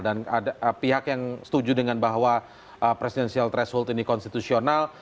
dan pihak yang setuju dengan bahwa presidensial threshold ini konstitusional